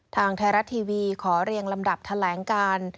ทางไทยรัฐทีวีขอเรียงลำดับแถลงการ